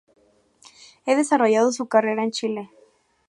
Ha desarrollado su carrera en Chile.